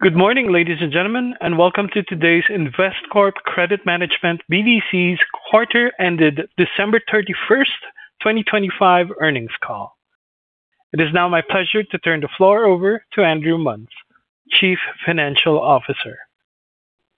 Good morning, ladies and gentlemen, and welcome to today's Investcorp Credit Management BDC's quarter ended December 31, 2025, earnings call. It is now my pleasure to turn the floor over to Robert Andrew Muns, Chief Financial Officer.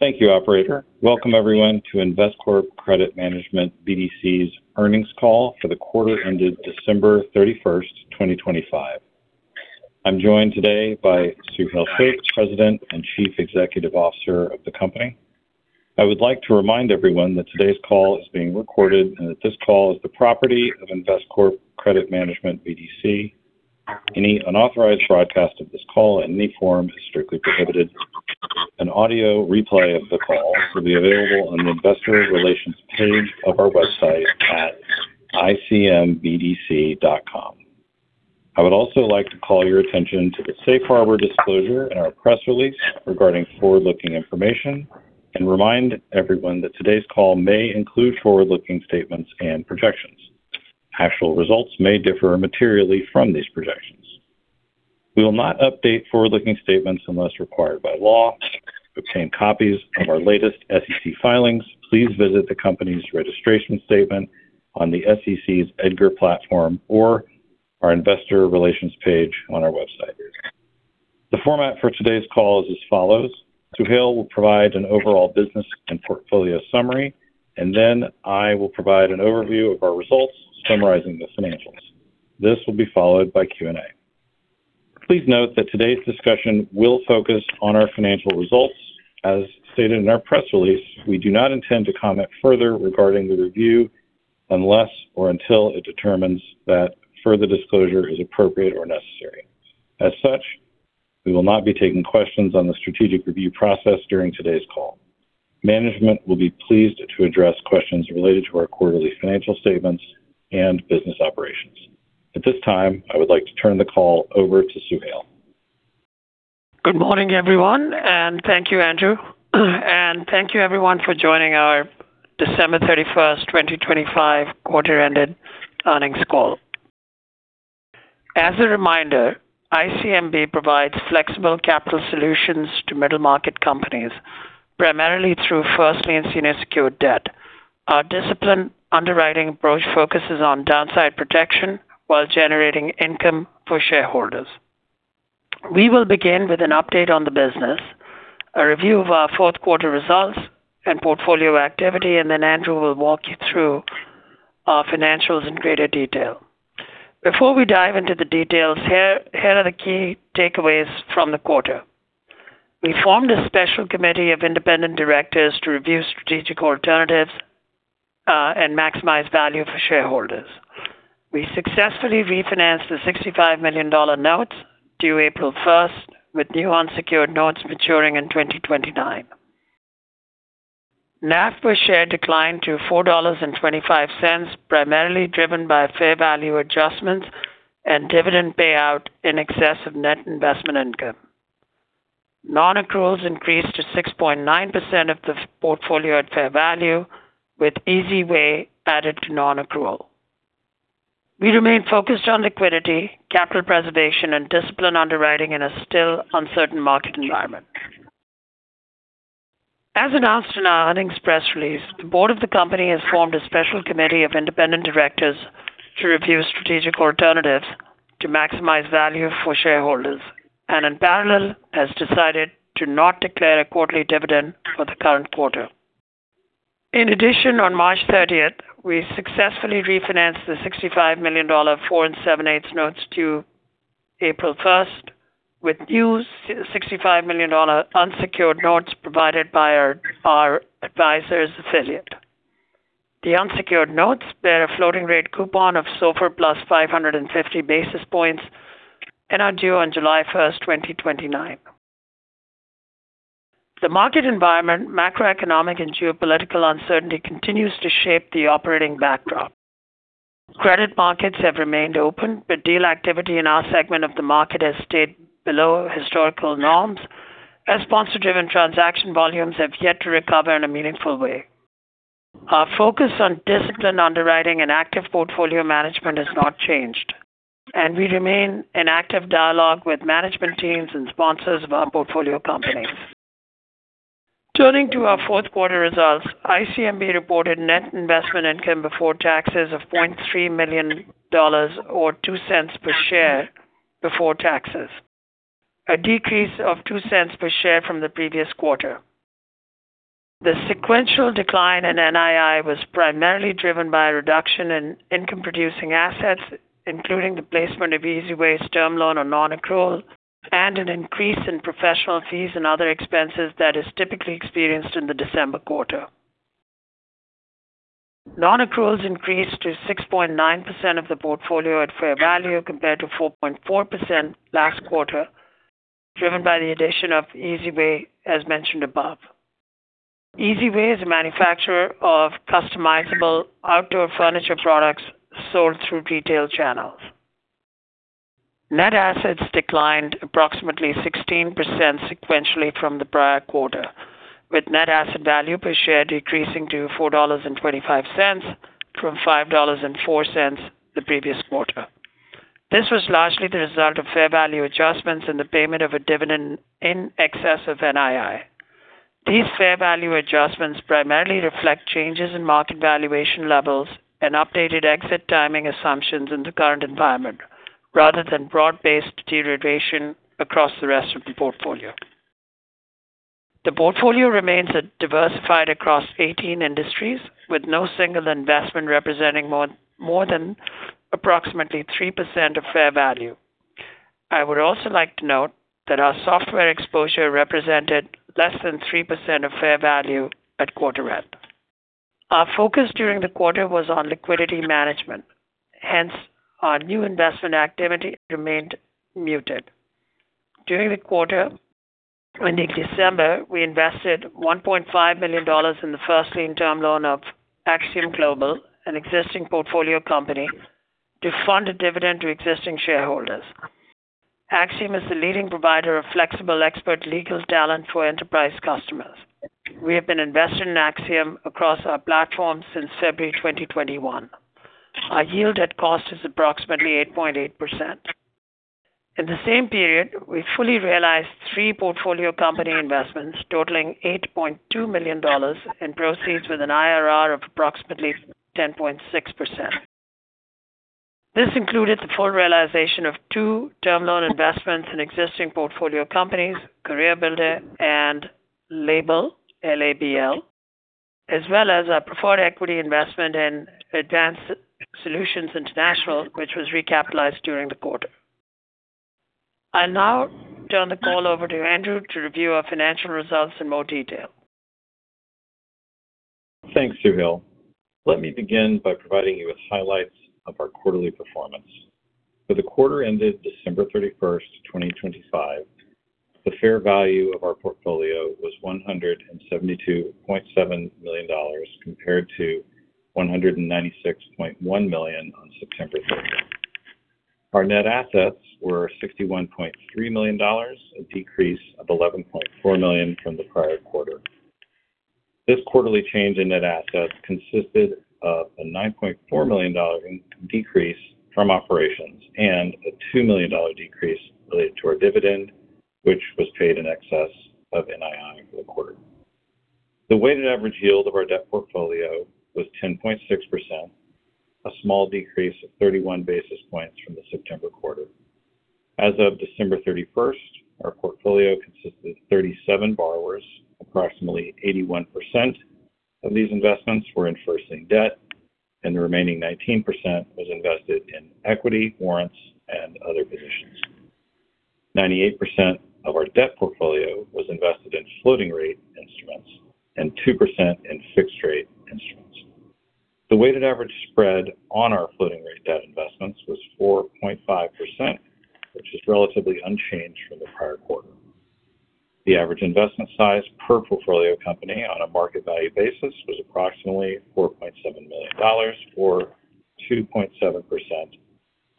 Thank you, operator. Welcome everyone to Investcorp Credit Management BDC's earnings call for the quarter ended December 31, 2025. I'm joined today by Suhail Shaikh, President and Chief Executive Officer of the company. I would like to remind everyone that today's call is being recorded and that this call is the property of Investcorp Credit Management BDC. Any unauthorized broadcast of this call in any form is strictly prohibited. An audio replay of the call will be available on the investor relations page of our website at icmbdc.com. I would also like to call your attention to the safe harbor disclosure in our press release regarding forward-looking information and remind everyone that today's call may include forward-looking statements and projections. Actual results may differ materially from these projections. We will not update forward-looking statements unless required by law. To obtain copies of our latest SEC filings, please visit the company's registration statement on the SEC's EDGAR platform or our investor relations page on our website. The format for today's call is as follows. Suhail will provide an overall business and portfolio summary, and then I will provide an overview of our results, summarizing the financials. This will be followed by Q&A. Please note that today's discussion will focus on our financial results. As stated in our press release, we do not intend to comment further regarding the review unless or until it determines that further disclosure is appropriate or necessary. As such, we will not be taking questions on the strategic review process during today's call. Management will be pleased to address questions related to our quarterly financial statements and business operations. At this time, I would like to turn the call over to Suhail. Good morning, everyone, and thank you, Andrew. Thank you, everyone for joining our December 31, 2025, quarter-end earnings call. As a reminder, ICMB provides flexible capital solutions to middle-market companies, primarily through first lien senior secured debt. Our disciplined underwriting approach focuses on downside protection while generating income for shareholders. We will begin with an update on the business, a review of our fourth quarter results and portfolio activity, and then Andrew will walk you through our financials in greater detail. Before we dive into the details, here are the key takeaways from the quarter. We formed a special committee of independent directors to review strategic alternatives and maximize value for shareholders. We successfully refinanced the $65 million notes due April 1 with new unsecured notes maturing in 2029. NAV per share declined to $4.25, primarily driven by fair value adjustments and dividend payout in excess of net investment income. Non-accruals increased to 6.9% of the portfolio at fair value, with Easy Way added to non-accrual. We remain focused on liquidity, capital preservation, and disciplined underwriting in a still uncertain market environment. As announced in our earnings press release, the board of the company has formed a special committee of independent directors to review strategic alternatives to maximize value for shareholders, and in parallel, has decided not to declare a quarterly dividend for the current quarter. In addition, on March 30th, we successfully refinanced the $65 million 4 7/8 notes due April 1 with new $65 million unsecured notes provided by our advisor's affiliate. The unsecured notes bear a floating rate coupon of SOFR plus 550 basis points and are due on July 1, 2029. The market environment, macroeconomic and geopolitical uncertainty, continues to shape the operating backdrop. Credit markets have remained open, but deal activity in our segment of the market has stayed below historical norms as sponsor-driven transaction volumes have yet to recover in a meaningful way. Our focus on disciplined underwriting and active portfolio management has not changed, and we remain in active dialogue with management teams and sponsors of our portfolio companies. Turning to our fourth quarter results, ICMB reported net investment income before taxes of $0.3 million or $0.02 per share before taxes, a decrease of $0.02 per share from the previous quarter. The sequential decline in NII was primarily driven by a reduction in income-producing assets, including the placement of Easy Way's term loan on non-accrual and an increase in professional fees and other expenses that is typically experienced in the December quarter. Non-accruals increased to 6.9% of the portfolio at fair value compared to 4.4% last quarter, driven by the addition of Easy Way, as mentioned above. Easy Way is a manufacturer of customizable outdoor furniture products sold through retail channels. Net assets declined approximately 16% sequentially from the prior quarter, with net asset value per share decreasing to $4.25 from $5.04 the previous quarter. This was largely the result of fair value adjustments and the payment of a dividend in excess of NII. These fair value adjustments primarily reflect changes in market valuation levels and updated exit timing assumptions in the current environment rather than broad-based deterioration across the rest of the portfolio. The portfolio remains diversified across 18 industries, with no single investment representing more than approximately 3% of fair value. I would also like to note that our software exposure represented less than 3% of fair value at quarter end. Our focus during the quarter was on liquidity management, hence our new investment activity remained muted. During the quarter ending December, we invested $1.5 million in the first lien term loan of Axiom Global, an existing portfolio company, to fund a dividend to existing shareholders. Axiom is the leading provider of flexible expert legal talent for enterprise customers. We have invested in Axiom across our platform since February 2021. Our yield at cost is approximately 8.8%. In the same period, we fully realized three portfolio company investments totaling $8.2 million in proceeds with an IRR of approximately 10.6%. This included the full realization of two-term loan investments in existing portfolio companies, CareerBuilder and LABL, Inc., as well as our preferred equity investment in Advanced Solutions International, which was recapitalized during the quarter. I'll now turn the call over to Andrew to review our financial results in more detail. Thanks, Suhail. Let me begin by providing you with highlights of our quarterly performance. For the quarter ended December 31, 2025, the fair value of our portfolio was $172.7 million compared to $196.1 million on September 30. Our net assets were $61.3 million, a decrease of $11.4 million from the prior quarter. This quarterly change in net assets consisted of a $9.4 million decrease from operations and a $2 million decrease related to our dividend, which was paid in excess of NII for the quarter. The weighted average yield of our debt portfolio was 10.6%, a small decrease of 31 basis points from the September quarter. As of December 31, our portfolio consisted of 37 borrowers. Approximately 81% of these investments were in first lien debt, and the remaining 19% was invested in equity, warrants, and other positions. 98% of our debt portfolio was invested in floating-rate instruments and 2% in fixed-rate instruments. The weighted average spread on our floating rate debt investments was 4.5%, which is relatively unchanged from the prior quarter. The average investment size per portfolio company on a market value basis was approximately $4.7 million or 2.7%.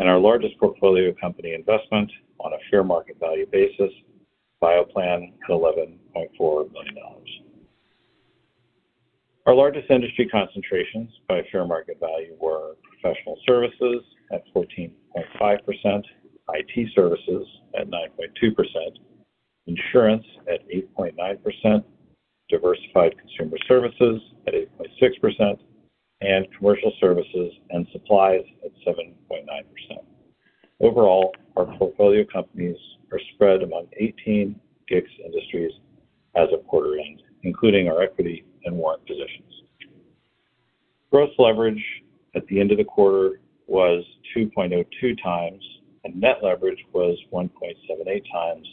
Our largest portfolio company investment on a fair market value basis, BioPlan, is $11.4 million. Our largest industry concentrations by fair market value were professional services at 14.5%, IT services at 9.2%, insurance at 8.9%, diversified consumer services at 8.6%, and commercial services and supplies at 7.9%. Overall, our portfolio companies are spread among 18 GICS industries as of quarter end, including our equity and warrant positions. Gross leverage at the end of the quarter was 2.02 times, and net leverage was 1.78 times,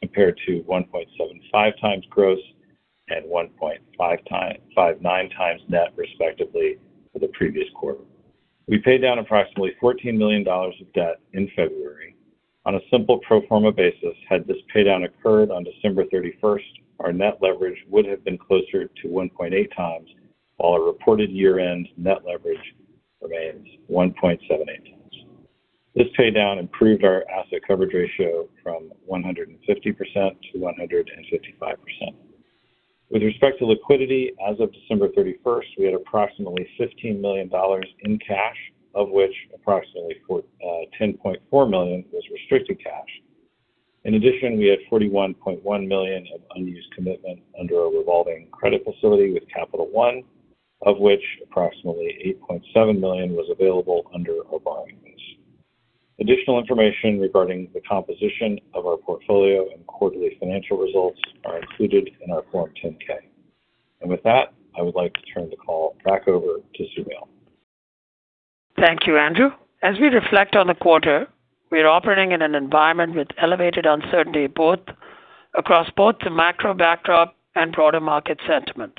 compared to 1.75 times gross and 1.59 times net, respectively, for the previous quarter. We paid down approximately $14 million of debt in February. On a simple pro forma basis, had this paydown occurred on December thirty-first, our net leverage would have been closer to 1.8 times, while our reported year-end net leverage remains 1.78 times. This paydown improved our asset coverage ratio from 150% to 155%. With respect to liquidity, as of December thirty-first, we had approximately $15 million in cash, of which approximately $10.4 million was restricted cash. In addition, we had $41.1 million of unused commitment under a revolving credit facility with Capital One, of which approximately $8.7 million was available under a borrowing base. Additional information regarding the composition of our portfolio and quarterly financial results is included in our Form 10-K. With that, I would like to turn the call back over to Suhail. Thank you, Andrew. As we reflect on the quarter, we are operating in an environment with elevated uncertainty across both the macro backdrop and broader market sentiment.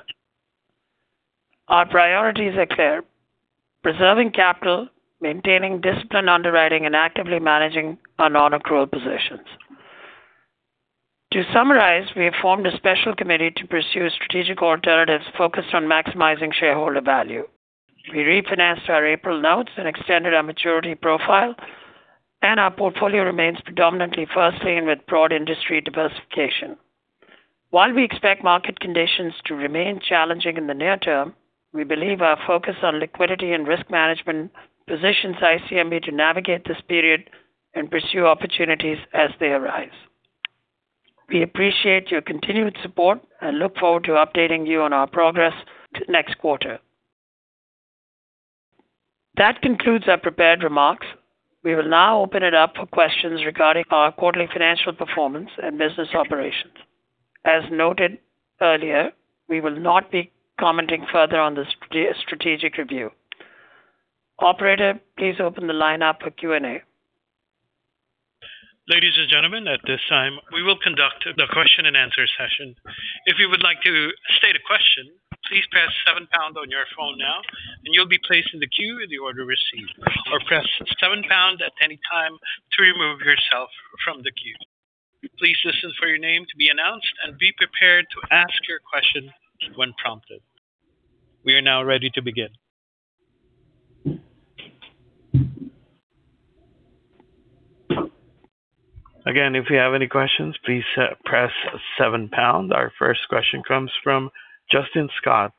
Our priorities are clear: preserving capital, maintaining disciplined underwriting, and actively managing our non-accrual positions. To summarize, we have formed a special committee to pursue strategic alternatives focused on maximizing shareholder value. We refinanced our April notes and extended our maturity profile, and our portfolio remains predominantly first lien with broad industry diversification. While we expect market conditions to remain challenging in the near term, we believe our focus on liquidity and risk management positions ICMB to navigate this period and pursue opportunities as they arise. We appreciate your continued support and look forward to updating you on our progress next quarter. That concludes our prepared remarks. We will now open it up for questions regarding our quarterly financial performance and business operations. As noted earlier, we will not be commenting further on the strategic review. Operator, please open the line up for Q&A. Ladies and gentlemen, at this time, we will conduct the question-and-answer session. If you would like to state a question, please press 7 pound on your phone now, and you'll be placed in the queue in the order received. Or press 7 pound at any time to remove yourself from the queue. Please listen for your name to be announced and be prepared to ask your question when prompted. We are now ready to begin. Again, if you have any questions, please press 7 pound. Our first question comes from Justin Scott,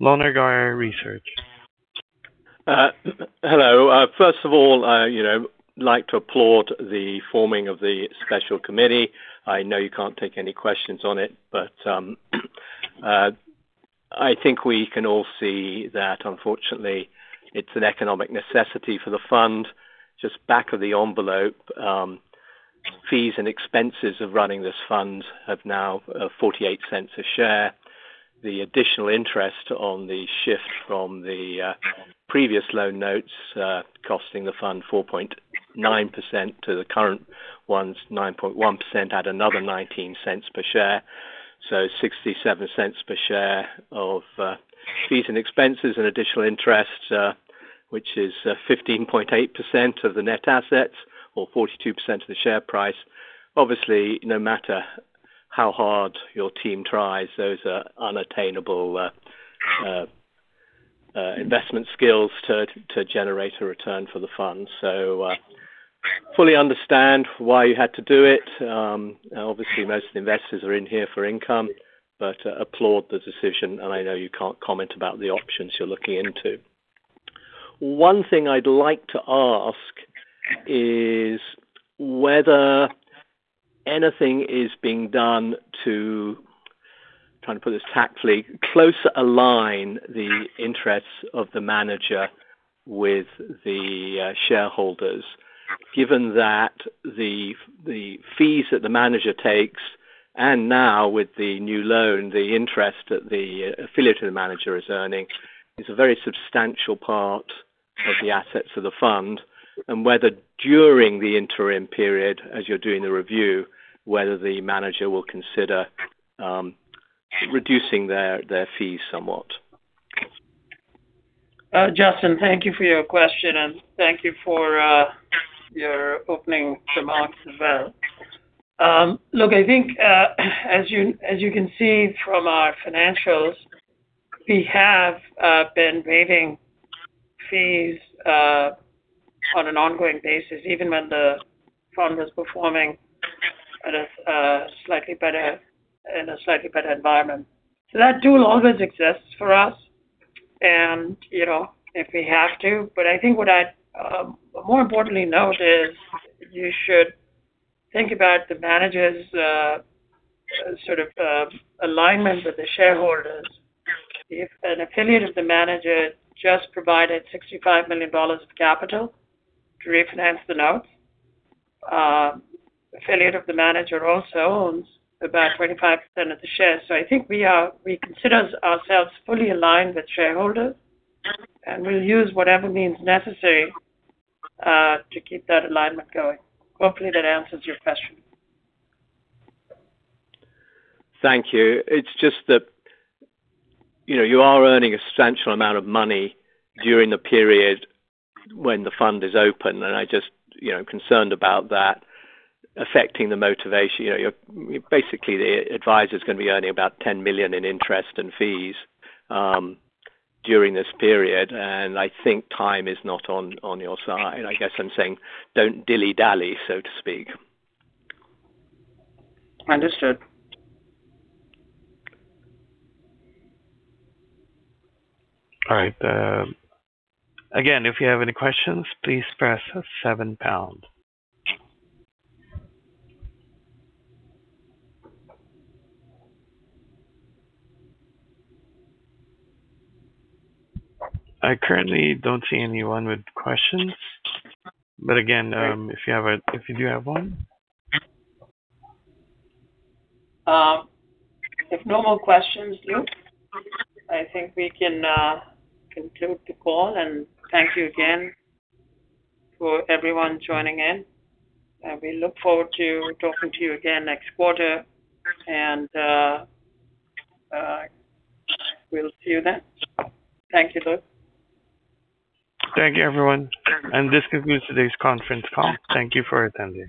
Lone Star Research. Hello. First of all, I you know like to applaud the forming of the special committee. I know you can't take any questions on it, but I think we can all see that unfortunately, it's an economic necessity for the fund, just back of the envelope, fees and expenses of running this fund have now $0.48 per share. The additional interest on the shift from the previous loan notes costing the fund 4.9%-9.1% at another $0.19 per share. $0.67 per share of fees and expenses and additional interest, which is 15.8% of the net assets or 42% of the share price? Obviously, no matter how hard your team tries, those are unattainable investment skills to generate a return for the fund. Fully understand why you had to do it. Obviously, most investors are in here for income, but I applaud the decision, and I know you can't comment about the options you're looking into. One thing I'd like to ask is whether anything is being done to try and put this tactfully, closer align the interests of the manager with the shareholders, given that the fees that the manager takes, and now with the new loan, the interest that the affiliate of the manager is earning is a very substantial part of the assets of the fund, and whether during the interim period, as you're doing the review, whether the manager will consider reducing their fees somewhat? Justin, thank you for your question, and thank you for your opening remarks as well. Look, I think as you can see from our financials, we have been waiving fees on an ongoing basis, even when the fund is performing in a slightly better environment. That tool always exists for us and if we have to. I think what I'd more importantly note is you should think about the manager's sort of alignment with the shareholders. If an affiliate of the manager just provided $65 million of capital to refinance the note, the affiliate of the manager also owns about 25% of the shares. I think we consider ourselves fully aligned with shareholders, and we'll use whatever means necessary to keep that alignment going. Hopefully, that answers your question. Thank you. It's just that, you know, you are earning a substantial amount of money during the period when the fund is open. I just, you know, concerned about that affecting the motivation. You know, basically, the advisor is gonna be earning about $10 million in interest and fees during this period. I think time is not on your side. I guess I'm saying don't dilly-dally, so to speak. Understood. All right, again, if you have any questions, please press 7 pound. I currently don't see anyone with questions. Again, if you do have one. If no more questions, Luke, I think we can conclude the call. Thank you again to everyone for joining in. We look forward to talking to you again next quarter, and we'll see you then. Thank you, Luke. Thank you, everyone. This concludes today's conference call. Thank you for attending.